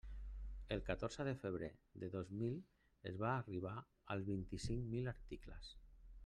El catorze de febrer del dos mil es va arribar als vint-i-cinc mil articles.